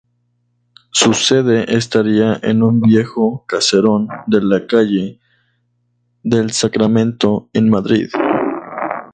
Su sede estaría en un viejo caserón de la calle del Sacramento, en Madrid.